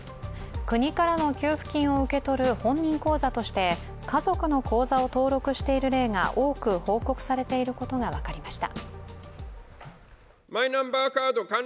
国からの給付金を受け取る本人口座として家族の口座を登録している例が多く報告されていることが分かりました。